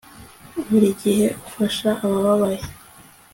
buri gihe ufasha abababaye